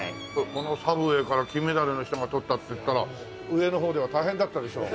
このサブウェイから金メダルの人取ったっていったら上の方では大変だったでしょう？